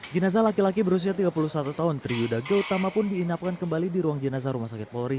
jenazah laki laki berusia tiga puluh satu tahun triyuda gautama pun diinapkan kembali di ruang jenazah rumah sakit polri